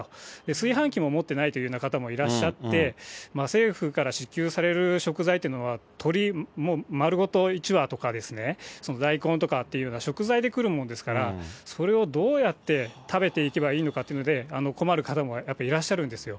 炊飯器も持ってないというような方もいらっしゃって、政府から支給される食材っていうのは、鶏丸ごと１羽とか、大根とかというような食材で来るもんですから、それをどうやって食べていけばいいのかということで、困る方もやっぱりいらっしゃるんですよ。